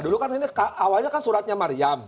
dulu kan ini awalnya kan suratnya mariam